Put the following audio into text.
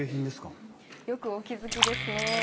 よくお気付きですね。